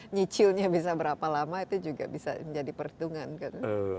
nyicilnya bisa berapa lama itu juga bisa menjadi perhitungan kan